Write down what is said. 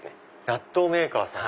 納豆メーカーさん！